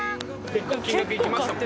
結構金額いきました？